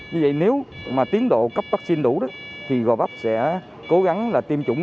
vì vậy nếu tiến độ cấp vaccine đủ thì gò bóp sẽ cố gắng tiêm chủng